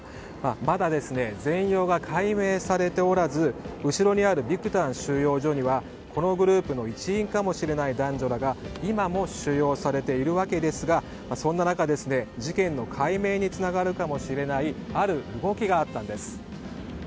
まだ全容が解明されておらず後ろにあるビクタン収容所にはこのグループの一員かもしれない男女らが今も収容されているわけですがそんな中、事件の解明につながるかもしれないある動きがあったんです。